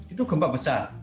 itu gempa besar